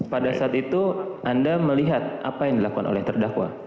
pada saat itu anda melihat apa yang dilakukan oleh terdakwa